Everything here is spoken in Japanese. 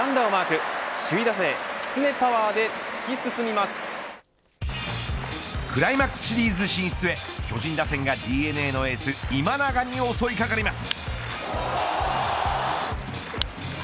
クライマックスシリーズ進出へ巨人打線がＤｅＮＡのエース今永に襲いかかります。